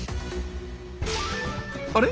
あれ？